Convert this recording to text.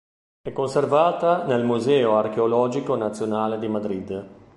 È conservata nel Museo Archeologico Nazionale di Madrid.